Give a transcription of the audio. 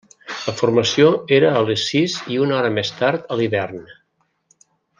La formació era a les sis i una hora més tard a l'hivern.